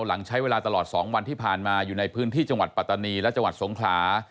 หลังใช้เวลาตลอด๒วันที่ผ่านมาอยู่ในพื้นที่จังหวัดปัตตานีและจังหวัดสงขลา